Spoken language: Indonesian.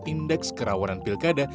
indeks kerawanan pilkada